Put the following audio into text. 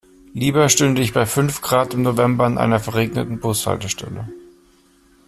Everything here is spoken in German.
Lieber stünde ich bei fünf Grad im November an einer verregneten Bushaltestelle.